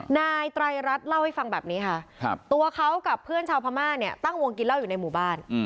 นายไตรรัฐเล่าให้ฟังแบบนี้ค่ะตัวเขากับเพื่อนชาวพม่าเนี่ยตั้งวงกินเหล้าอยู่ในหมู่บ้าน